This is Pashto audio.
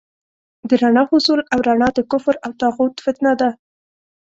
د رڼا حصول او رڼا د کفر او طاغوت فتنه ده.